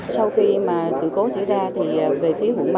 sau khi mà sự cố xảy ra thì về phía quận một